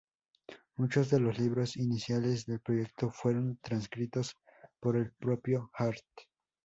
Muchos de los libros iniciales del proyecto fueron transcritos por el propio Hart.